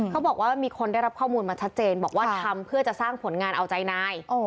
เขาบอกว่ามีคนได้รับข้อมูลมาชัดเจนบอกว่าทำเพื่อจะสร้างผลงานเอาใจนาย